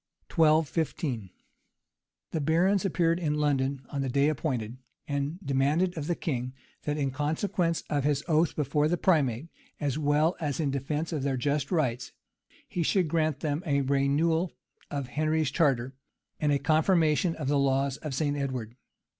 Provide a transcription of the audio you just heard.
{1215.} The barons appeared in London on the day appointed, and demanded of the king, that, in consequence of his own oath before the primate, as well as in deference to their just rights, he should grant them a renewal of Henry's charter, and a confirmation of the laws of St. Edward.